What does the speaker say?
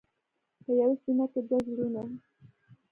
په یوه سینه کې دوه زړونه.